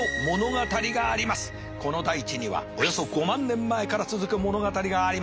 この大地にはおよそ５万年前から続く物語があります。